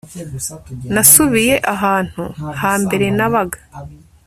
nasubiye ahantu ha mbere nabaga